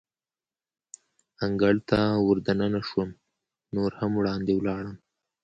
انګړ ته ور دننه شوم، نور هم وړاندې ولاړم.